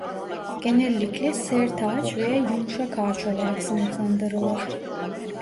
Genellikle sert ağaç veya yumuşak ağaç olarak sınıflandırılır.